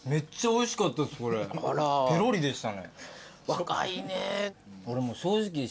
若いね。